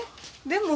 でも。